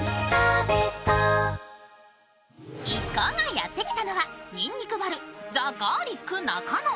一行がやってきたのは、にんにくバルザ・ガーリック中野。